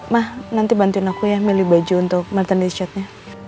ma nanti bantuin aku ya milih baju untuk maternity shotnya